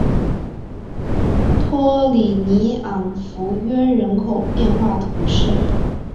托里尼昂弗约人口变化图示